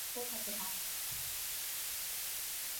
রাখবো হাতে হাত।।